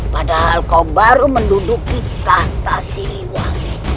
padahal kau baru menduduki kata siliwangi